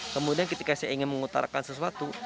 kemudian ketika saya ingin mengutarakan sesuatu